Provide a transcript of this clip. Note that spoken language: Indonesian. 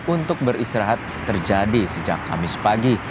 untuk beristirahat terjadi sejak kamis pagi